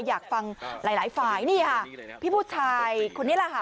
อยากฟังหลายหลายฝ่ายนี่ค่ะพี่ผู้ชายคนนี้แหละค่ะ